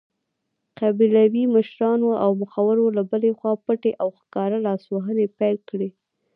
قبیلوي مشرانو او مخورو له بلې خوا پټې او ښکاره لاسوهنې پیل کړې.